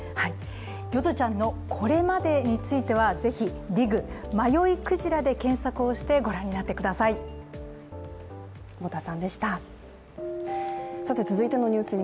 ヨドちゃんのこれまでについてはぜひ、「ＤＩＧ迷いクジラ」で検索をしてご覧になってください。